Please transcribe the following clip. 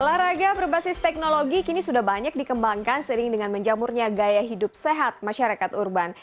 olahraga berbasis teknologi kini sudah banyak dikembangkan seiring dengan menjamurnya gaya hidup sehat masyarakat urban